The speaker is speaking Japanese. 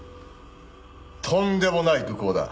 とんでもない愚行だ。